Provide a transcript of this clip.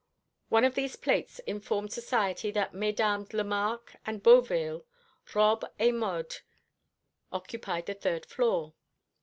One of these plates informed society that Mesdames Lemarque and Beauville, Robes et Modes, occupied the third floor.